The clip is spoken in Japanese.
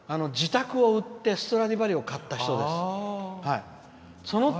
自宅を売ってストラディバリウスを買った人です。